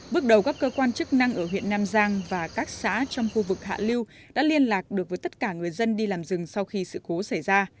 bước đầu các cơ quan chức năng ở huyện nam giang và các xã trong khu vực hạ liêu đã liên lạc được với tất cả người dân đi làm rừng sau khi sự cố xảy ra